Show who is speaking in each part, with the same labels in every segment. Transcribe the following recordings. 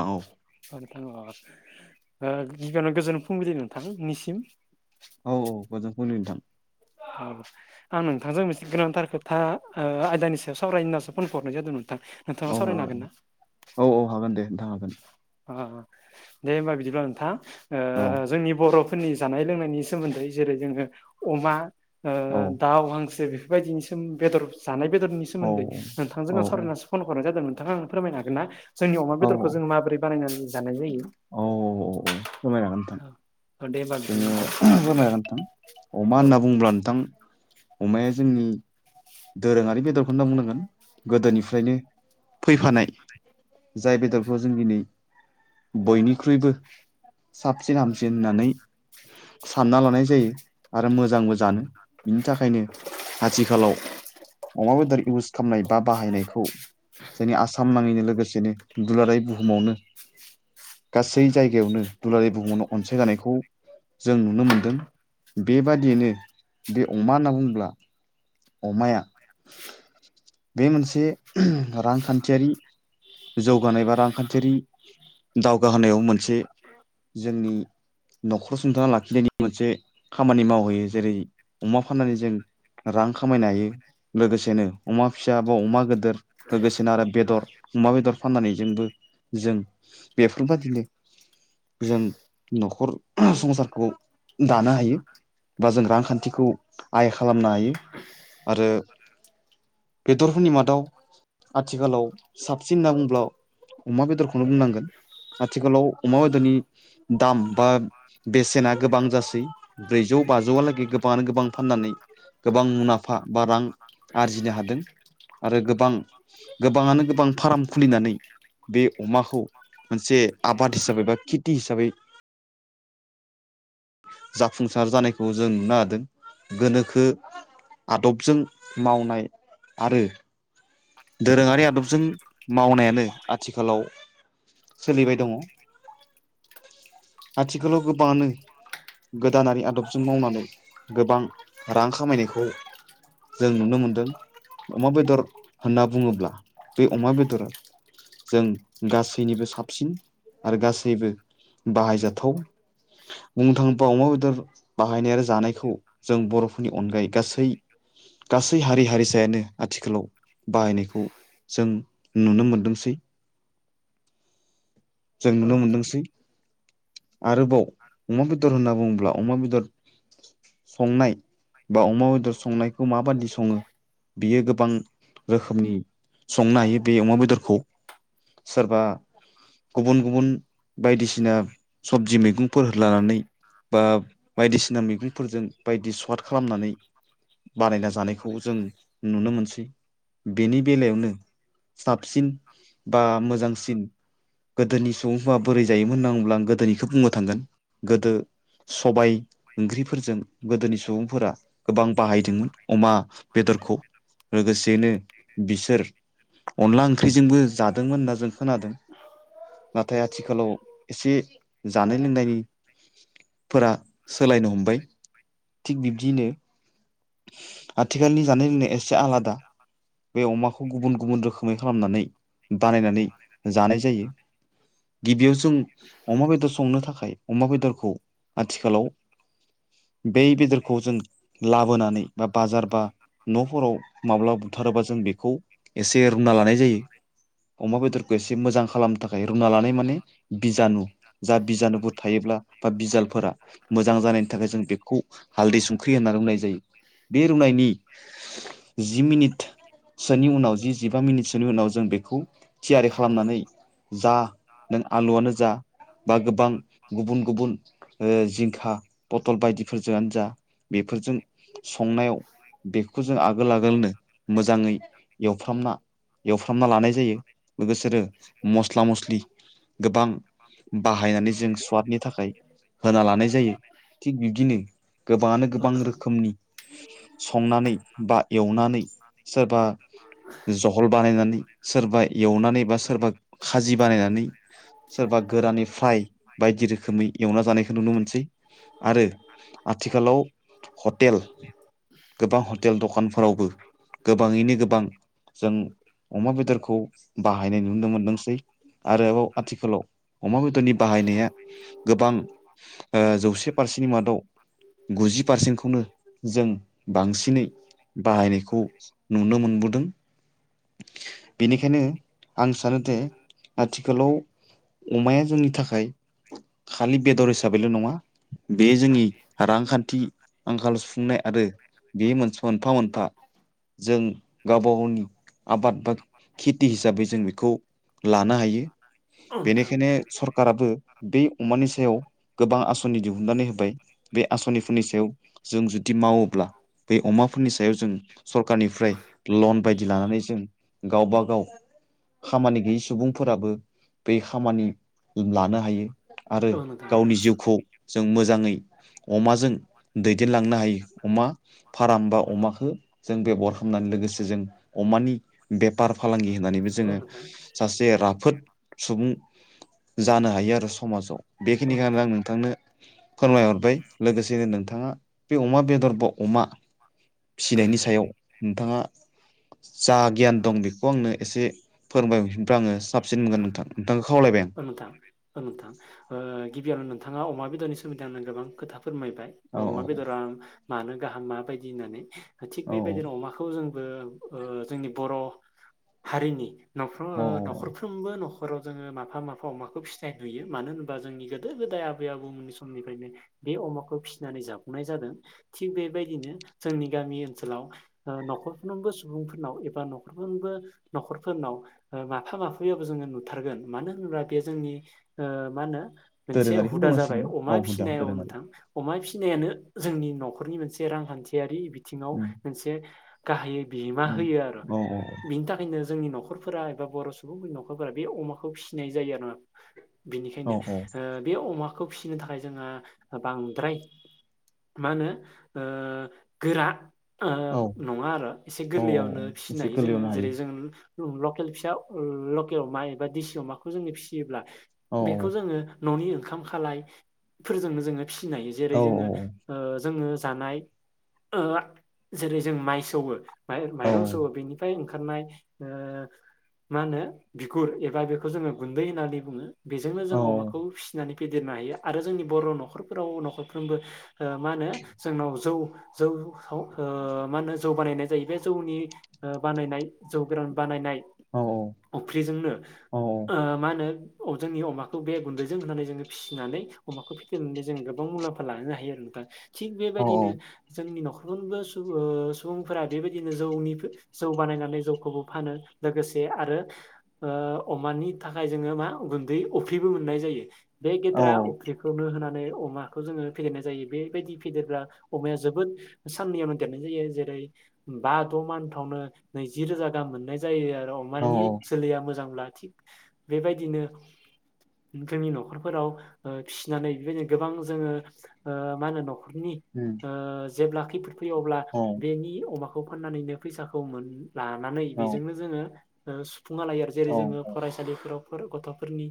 Speaker 1: औ
Speaker 2: [inaudible] गिबियावनो गोजोन फुंबिलि नोंथांनिसिम।
Speaker 1: औ औ गोजोन फुंबिलि नोंथां।
Speaker 2: [inaudible] आं नोंथांजों मोनसे गोनांथार खोथा आयदानि सायाव सावराय होननासो फन हरनाय जादो नोंथां। नोंथाङा
Speaker 1: औ
Speaker 2: सावरायनो हागोन ना?
Speaker 1: औ औ हागोन दे नोंथां हागोन।
Speaker 2: ओ दे होमबा बिदिब्ला नोंथां ओ
Speaker 1: औ
Speaker 2: जोंनि बर' फोरनि जानाय लोंनायनि सोमोन्दै जेरै जोङो अमा ओ
Speaker 1: औ
Speaker 2: दाउ हांसो बेफो बायदिनि बेदर जानाय बेदरनि
Speaker 1: औ
Speaker 2: सोमोन्दै नोंथांजों
Speaker 1: औ
Speaker 2: आं सावरायना फन हरनाय जादों नोंथाङा आंनो फोरमायनो हागोन ना जोंनि अमा
Speaker 1: औ
Speaker 2: बेदरखौ जों माबोरै बानायनानै जानाय जायो।
Speaker 1: औ अ अ फोरमायनो हागोन नोंथां।
Speaker 2: औ दे होमबा बिदिब्ला
Speaker 1: जोङो
Speaker 2: नोंथां
Speaker 1: फोरमायनो हागोन नोंथां। अमा
Speaker 2: औ
Speaker 1: होनना बुङोब्ला नोंथां अमाया जोंनि दोरोङारि बेदरखौ होनना बुंनांगोन गोदोनिफ्रायनो फैफानाय। जाय बेदरखौ जों दिनै बयनिख्रुइबो साबसिन हामसिन होननानै सानना लानाय जायो। आरो मोजांबो जानो बिनि थाखायनो आथिखालाव अमा बेदर इउस खामनाय बा बाहायनायखौ जोंनि आसाम नाङैनो लोगोसेनो दुलाराय बुहुमावनो गासै जायगायावनो दुलाराय बुहुमावनो अनसायजानायखौ जों नुनो मोनदों। बेबादियैनो बे अमा होनना बुंङोब्ला अमाया बे मोनसे रांखान्थियारि जौगानाय बा रांखान्थियारि दावगाहोनायाव मोनसे जोंनि न'खर सुंथाना लाखिनायनि मोनसे खामानि मावहैयो जेरै अमा फाननानै जों रां खामायनो हायो। लोगोसेनो अमा फिसा बा अमा गोदोर लोगोसेनो आरो बेदर अमा बेदर फाननानै जोंबो जों बेफोरबदिनो जों न'खर संसारखौ दानो हायो। बा जों रांखान्थिखौ आइ खालामनो हायो। आरो बेदरफोरनि मादाव आथिखालाव साबसिन होनना बुंब्ला अमा बेदरखौनो बुंनांगोन। आथिखालाव अमा बेदरनि दाम बा बेसेना गोबां जासै। ब्रैजौ बाजौआलागै गोबाङानो गोबां फाननानै गोबां मुना
Speaker 2: [inaudible]
Speaker 1: आरो गोबां गोबाङानो गोबां फाराम खुलिनानै बे अमाखौ मोनसे आबाद हिसाबै बा खेथि हिसाबै जाफुंसार जानायखौ जों नुनो हादों। गोनोखो आदबजों मावनाय आरो दोरोङारि आदबजों मावनायानो आथिखालाव सोलिबाय दङ। आथिखालाव गोबाङानो गोदानारि आदबजों मावनानै गोबां रां खामायनायखौ जों नुनो मोनदों। अमा बेदर होनना बुङोब्ला बे अमा बेदरा जों गासैनिबो साबसिन आरो गासैबो बाहायजाथाव बुंनो थाङोबा अमा बेदर बाहायनाय आरो जानायखौ जों बर'फोरनि अनगायै गासै गासै हारि हारिसायानो आथिखालाव बाहायनायखौ जों नुनो मोनदोंसै। जों
Speaker 2: औ
Speaker 1: नुनो
Speaker 2: नोंथां
Speaker 1: मोनदोंसै आरोबाव अमा बेदर होनना बुङोब्ला अमा बेदर संनाय बा अमा बेदर संनायखौ माबादि सङो? बियो गोबां रोखोमनि संनो हायो बे अमा बेदरखौ सोरबा गुबुन गुबुन बायदिसिना सबजि मैगंफोर होलानानै बा बायदिसिना मैगंफोरजों बायदि सवाद खालामनानै बानायना जानायखौ जों नुनो मोनसै बेनि बेलायावनो साबसिन बा मोजांसिन गोदोनि सुबुंफा बोरै जायोमोन होनना बुंब्ला आं गोदोनिखौ बुंनो थांगोन गोदो सबाय ओंख्रिफोरजों गोदोनि सुबुंफोरा गोबां बाहायदोंमोन अमा बेदरखौ लोगोसेयैनो बिसोर अनला ओंख्रिजोंबो जादोंमोन होनना जों खोनादों। नाथाय आथिखालाव एसे जानाय लोंनायनि फोरा सोलायनो हमबाय थिग बिब्दिनो आथिखालनि जानाय लोंनाया एसे आलादा बे अमाखौ गुबुन गुबुन रोखोमै खालामनानै बानायनानै जानाय जायो। गिबियाव जों अमा बेदर संनो थाखाय अमा बेदरखौ आथिखालाव बे बेदरखौ जों लाब बोनानै बा बाजार बा न'फोराव माब्ला बुथारोबा जों बेखौ एसे रुना लानाय जायो। अमा बेदरखौ एसे मोजां खालामनो थाखाय रुना लानाय माने बिजानु जा बिजानुफोर थायोब्ला बा बिजालफोरा मोजां जानायनि थाखाय जों बेखौ हालदै संख्रि होननानै रुनाय जायो बे रुनायनि जि मिनिट सोनि उनाव जि जिबा मिनिटसोनि उनाव जों बेखौ थियारि खालामनानै जा नों आलुआनो जा बा गोबां गुबुन गुबुन ओ जिंखा पटल बायदिफोरजोंआनो जा बेफोरजों संनायाव बेखौ जों आगोल आगोलनो मोजाङै एवफ्रामना एवफ्रामना लानाय जायो लोगोसेरो मस्ला मस्लि गोबां बाहायनानै जों स्वादनि थाखाय होना लानाय जायो थिग बिब्दिनो गोबाङानो गोबां रोखोमनि संनानै बा एवनानै सोरबा जहल बानायनानै सोरबा एवनानै बा सोरबा खाजि बानायनानै सोरबा गोराननि फ्राय बायदि रोखोमै एवना जानायखौ नुनो मोनसै। आरो आथिखालाव हटेल गोबां हटेल दखानफोरावबो गोबाङैनो गोबां जों अमा बेदरखौ बाहायनाय नुनो मोनदोंसै। आरोबाव आथिखालाव अमा बेदरनि बाहायनाया गोबां ओ जौसे पारसेन्ट मादाव गुजि पारसेन्टखौनो जों बांसिनै बाहायनायखौ नुनो मोनबोदों बेनिखायनो आं सानोदे आथिखालाव अमाया जोंनि थाखाय खालि बेदर हिसाबैल' नङा बे जोंनि रांखान्थि आंखाल सुफुंनाय आरो बे मोनस मोनफा मोनफा जों गावबा गावनि आबाद बाद खेटि हिसाबै जों बेखौ लानो हायो
Speaker 2: औ नोंथां
Speaker 1: बेनिखायनो सरकाराबो बे अमानि सायाव गोबां आस'नि दिहुननानै होबाय बे आस'निफोरनि सायाव जों जुदि मावोब्ला बै अमाफोरनि सायाव जों सरखारनिफ्राय लन बायदि लानानै जों गावबा गाव खामानि गैयै सुबुंफोराबो, बे खामानि लानो हायो आरो
Speaker 2: औ नोंथां
Speaker 1: गावनि जिउखौ जों मोजाङै अमाजों दैदेनलांनो हायो। अमा फार्म बा अमाखौ जों बेब'हार खालामनानै लोगोसे जों अमानि बेफार फालांगि होननानैबो
Speaker 2: औ
Speaker 1: जोङो
Speaker 2: नोंथां
Speaker 1: सासे राफोद सुबुं जानो हायो आरो समाजाव।
Speaker 2: औ
Speaker 1: बेखिनिखौनो
Speaker 2: नोंथां
Speaker 1: आं नोंथांनो फोरमायहरबाय, लोगोसेनो नोंथाङा बे अमा बेदर ब अमा फिसिनायनि सायाव नोंथाङा जा गियान दं बेखौ आंनो एसे फोरोंबाय ओमफ्राय आङो साबसिन मोनगोन नोंथां नोंथांखौ खावलायबाय आं
Speaker 2: ओ नोंथां। ओ नोंथां। ओ गिबियावनो नोंथाङा अमा बेदरनि सोमोन्दै आंनो गोबां खोथा फोरमायबाय औ अमा बेदरा मानो गाहाम माबायदि होननानै! थिग
Speaker 1: औ
Speaker 2: बेबायदिनो अमाखौ जोंबो जोंनि बर' हारिनि नफ्राव
Speaker 1: औ औ
Speaker 2: न'खरफ्रोमबो न'खराव जोङो मा फा माफा अमाखौ फिथनाय नुयो, मानो होनबा जोंनि गोदो गोदाय आबै आबौमोननि समनिफ्रायनो बे अमाखौ फिसिनानै जाफुंनाय जादों थिग बेबायदिनो जोंनि गामि ओनसोलाव न'खरफ्रोमबो सुबुंफोरनाव एबा न'खरफ्रोमबो न'खरफोरनाव माफा माफैयावबो जोङो नुथारगोन, मानो होनोब्ला बे जोंनि ओ मा होनो मोनसे
Speaker 1: दोरोङारिखौनो
Speaker 2: हुदा जाबाय,
Speaker 1: बुंनांसिगोन औ
Speaker 2: अमा
Speaker 1: हुदा
Speaker 2: फिसिनायाव
Speaker 1: दोरोङारि
Speaker 2: नोंथां अमा फिसिनायानो जोंनि न'खरनि मोनसे रांखान्थियारि बिथिङाव
Speaker 1: उम
Speaker 2: मोनसे गाहायो बिहोमा
Speaker 1: उम
Speaker 2: होयो आरो
Speaker 1: औ
Speaker 2: बिनि थाखायनो जोंनि न'खरफोरा एबा बर' सुबुंफोरनि न'खरफोरा बे अमाखौ फिसिनाय जायो आरोना।
Speaker 1: औ
Speaker 2: बिनिखायनो ओ बे अमाखौ फिसिनो थाखाय जोंहा बांद्राय मा होनो ओ गोरा ओ
Speaker 1: औ
Speaker 2: नङा आरो एसे
Speaker 1: औ
Speaker 2: गोरलैयावनो फिसिनो
Speaker 1: एसे
Speaker 2: हायो जोङो
Speaker 1: गोरलैयावनो हायो
Speaker 2: जेरै जों लकेल फिसा लकेल अमा एबा दिसि अमाखौ जोङो फिसियोब्ला
Speaker 1: औ
Speaker 2: बेखौ जोङो न'नि ओंखाम खालायफोरजोंनो जोङो फिसिनो हायो जेरै-
Speaker 1: औ
Speaker 2: जोङो जोङो जानाय ओ जेरै- जों माइ सौवो
Speaker 1: औ
Speaker 2: माइरं सौवो बेनिफ्राय ओंखारनाय ओ माहोनो बिगुर एबा बेखौ जोङो गुन्दै होननानै बुङो बेजोंनो जों
Speaker 1: औ
Speaker 2: अमाखौ फिसिनानै फेदेरनो हायो। आरो जोंनि बर' न'खरफोराव न'खरफ्रोमबो मा होनो जोंनाव जौ जौ माहोनो जौ बानायनाय जायो बे जौनि बानायनाय जौ गोरान बानायनाय
Speaker 1: औ
Speaker 2: अफ्रिजोंनो
Speaker 1: औ
Speaker 2: ओ मा होनो जोंनि अमाखौ बे गुन्दैजों होनानै जोङो फिसिनानै अमाखौ फिदेरनानै जोंङो गोबां मुलाम्फा लानो हायो आरो नोंथां। थिग
Speaker 1: औ
Speaker 2: बेबायदिनो जोंनि न'खर फ्रोमबो सुबुं ओ सुबुंफोरा बेबायदिनो जौनि जौ बानायनानै जौखौबो फानो, लोगोसे आरो ओ अमानि थाखाय जोङो मा गुन्दै अफ्रिबो मोननाय जायो बे गेद्रा
Speaker 1: औ
Speaker 2: अफ्रि खौनो होनानै अमाखौ जोङो फेदेरनाय जायो, बेबायदि फेदेरग्रा अमाया जोबोद साननैयावनो देरनाय जायो जेरै- बा द' मानथावनो नैजि रोजा गाहाम मोननाय जायो आरो अमानि जोलैया मोजांब्ला थिग बेबायदिनो जोंनि न'खरफोराव ओ फिसिनानै बेबायदिनो गोबां जोङो ओ मा होनो न'खरनि
Speaker 1: उम
Speaker 2: ओ जेब्ला खैफोद फैयो अब्ला बेनि अमाखौ फाननानैनो फैसाखौ मोन लानानै
Speaker 1: औ
Speaker 2: बेजोंनो जोङो ओ सुफुना लायो आरो। जेरै-
Speaker 1: औ
Speaker 2: जोङो
Speaker 1: औ
Speaker 2: फरायसालिफोराव गथ'फोरनि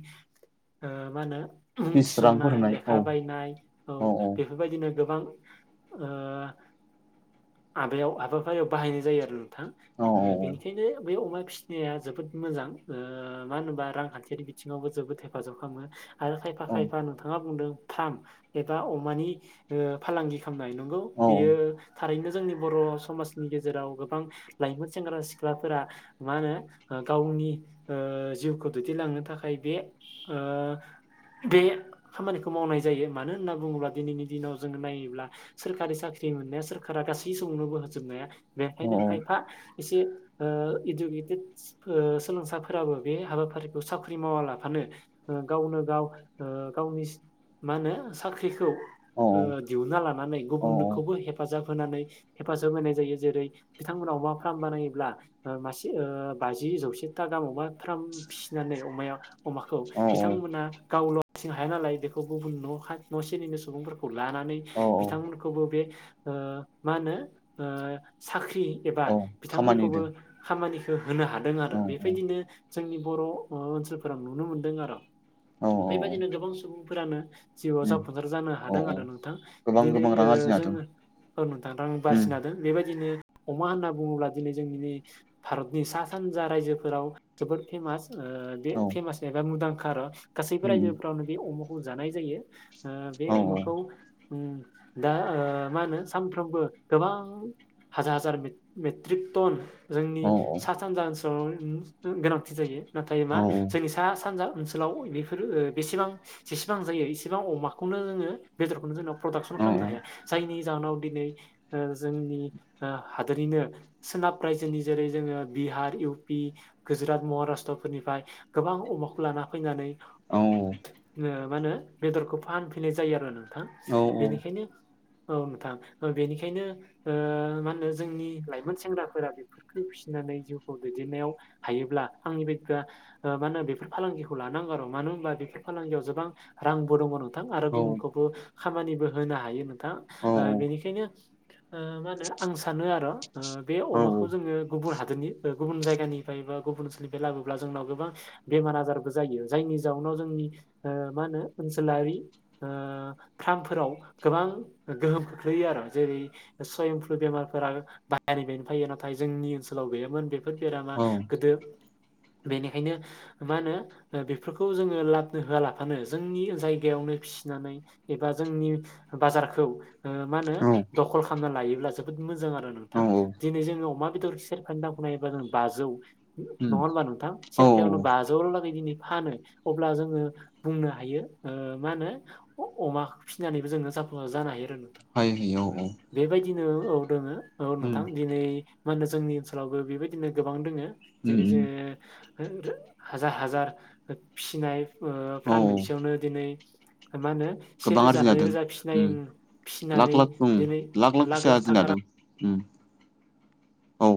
Speaker 2: ओ मा होनो मुं
Speaker 1: फिस रांफोर
Speaker 2: थिसननाय
Speaker 1: होनाय औ
Speaker 2: लेखा बायनाय औ बे बेफोरबायदिनो गोबां ओ हाबायाव हाबाफारियाव बाहायनाय जायो आरो थां
Speaker 1: औ
Speaker 2: ओ बिनिखायनो बे अमा फिनाया जोबोद मोजां ओ माहोनोबा रांखान्थियारि बिथिङावबो जोबोद हेफाजाब खामो आरो खायफा
Speaker 1: औ
Speaker 2: खायफा नोंथाङा बुंदों फार्म एबा अमानि फालांगि खालामनाय नंगौ
Speaker 1: औ
Speaker 2: बेयो थारैनो जोंनि बर' समाजनि गेजेराव गोबां लाइमोन सेंग्रा सिख्लाफोरा मा होनो गावनि ओ जिउखौ दैदेनलांनो थाखाय बे ओ बे खामानिखौ मावनाय जायो मानो होनना बुङोब्ला दिनैनि दिनाव जोङो नायोब्ला सोरखारि साख्रि मोननाया सोरखारा गासै समावनो बो होजोबनाया बेनिखायनो
Speaker 1: औ
Speaker 2: खायफा एसे ओ इडुकेटेड [unintelligible] सोलोंसा फोराबो बे हाबाफारिखौ साख्रि मावालाफानो ओ गावनो गाव ओ गावनि मा होनो साख्रिखौ
Speaker 1: औ
Speaker 2: ओ दिहुनना लानानै गुबुनखौबो हेफाजाब होनानै हेफाजाब होनाय जायो जेरै बिथांमोनाव अमा फार्म बानायोब्ला ओ मासे बाजि जौसे था दामावबा फ्राम फिसिनानै अमाया अमाखौ बिथांमोना गावल' हारसिं हाया नालाय बेखौ गुबुन न' न' सेनिनो सुबुंफोरखौ लानानै
Speaker 1: औ
Speaker 2: बिथांमोनखौबो बे ओ मा होनो ओ साख्रि एबा
Speaker 1: औ खामानि
Speaker 2: बिथांमोनखौबो
Speaker 1: होदों
Speaker 2: खामानिखो होनो हादों आरो
Speaker 1: औ
Speaker 2: बेफायदिनो जोंनि बर' ओ ओनसोलफोराव नुनो मोनदों आर'
Speaker 1: औ औ
Speaker 2: बेबायदिनो गोबां सुबुंफोरानो जिउआव
Speaker 1: उम
Speaker 2: जाफुंसार जानो
Speaker 1: औ
Speaker 2: हादों आरो नोंथां।
Speaker 1: गोबां
Speaker 2: दिनै
Speaker 1: गोबां
Speaker 2: ओ
Speaker 1: रां आरजिनो हादों
Speaker 2: जोङो [unintelligible]
Speaker 1: उम
Speaker 2: नोथां [unintelligible] [unintelligible] बेबायदिनो अमा होनना बुङोब्ला दिनै जों भारतनि सा सानजा रायजो फोराव जोबोद फेमास ओ बे
Speaker 1: औ
Speaker 2: फेमास एबा मुंदांखा आर' गासैबो
Speaker 1: उम
Speaker 2: रायजोफोरावनो बे अमाखौ जानाय जायो ओ बे
Speaker 1: औ
Speaker 2: अमाखौ उम दा ओ मा होनो सानफ्रोमबो गोबां हाजार हाजार मे-मेट्रिक टन जोंनि
Speaker 1: औ
Speaker 2: सा सानजा ओनसोलाव गोनांथि जायो नाथाय मा
Speaker 1: औ
Speaker 2: जोंनि सा सानजा ओनसोलाव बेफोरो ओ बेसेबां जेसेबां जायो इसेबां अमाखौनो जोङो बेदरखौनो जोंनाव प्रडाक्सन
Speaker 1: औ
Speaker 2: खामनो हाया जायनि जाहोनाव दिनै ओ जोंनि हादोरनिनो ओ सोनाब रायजोनि जेरै जोङो बिहार इउ पि गुजरात महाराष्ट्र फोरनिफ्राय गोबां अमाखौ लाना फैनानै
Speaker 1: औ
Speaker 2: ओ मा होनो बेदरखौ फानफैननाय जायो आरो नोंथां बेनिखायनो औ नोंथां बेनिखायनो मा होनो जोंनि लाइमोन सेंग्राफोरा बेफोर खो फिसिनानै जिउखौ दैदेननायाव हायोब्ला आंनि बायदिबा मा होनो बेफोर फालांगिखौ लानांगौ आरो मानो होनबा बेफोर फालांगियाव गोबां रांबो दङ नोंथां आरो गुबुनखौबो खामानिबो होनो हायो नोंथां
Speaker 1: औ
Speaker 2: ओ बेनिखायनो ओ मा होनो आं सानो आर' ओ बे
Speaker 1: औ औ
Speaker 2: अमाखो जोङो गुबुन हादोरनि गुबुन जायगानिफ्राय बा गुबुन ओनसोलनिफ्राय लाबोब्ला जोंनाव गोबां बेमार आजारबो जायो जायनि जाउनाव जोंनि ओ मा होनो ओनसोलारि फार्मफोराव गोबां गोहोम खोख्लैयो आरो जेरै सयम फ्लु बेमारफोरा बायानि बेनो फैयो नाथाय जोंनि ओनसोलाव गैयामोन बे फोर बेरामा गोदो बेनिखायनो मा होनो बेफोरखौ जोङो लाबनो होआलाफानो जोंनि जायगायावनो फिसिनानै एबा जोंनि बाजारखौ मा होनो दखल खालामना लायोब्ला जोबोद मोजां आरो नोंथां
Speaker 1: औ
Speaker 2: दिनै जोङो अमा बेदर ख सेरफानि दामखौ नायबा जों बाजौ नङा
Speaker 1: उम
Speaker 2: होनबा नोंथां?
Speaker 1: औ
Speaker 2: सेरफायावनो
Speaker 1: औ
Speaker 2: बाजौ लागै दिनै फानो अब्ला जोङो बुंनो हायो ओ मा होनो अमा फिसिनानैबो जोंनो जाफुं जानो हायो आरो नोंथां।
Speaker 1: [unintelligible] औ
Speaker 2: बेबायदिनो औ दोङो औ
Speaker 1: उम
Speaker 2: नोंथां दिनै मा होनो जोंनि ओनसोलाव ओ बेबायदिनो गोबां दोङो
Speaker 1: उम
Speaker 2: जेरै जे
Speaker 1: उम
Speaker 2: [unintelligible] हाजार हाजार फिनाय ओ
Speaker 1: औ
Speaker 2: फ्राम मोनसेयावनो दिनै मा होनो से
Speaker 1: गोबां
Speaker 2: रोजा
Speaker 1: आरजिनो हादों
Speaker 2: नैरोजा फिनाय
Speaker 1: उम लाख
Speaker 2: फिनानै दिनै लाख लाख थाखा रां
Speaker 1: उ औ